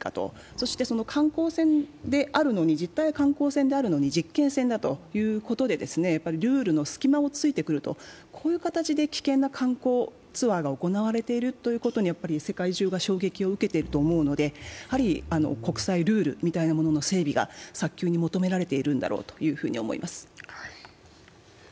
そして実態は観光船であるのに実験船だということで、ルールの隙間を突いてくる、こういう形で危険な観光ツアーが行われているということに世界中が衝撃を受けていると思うので、国際ルールみたいなものの整備が早急に求められているんだと思います。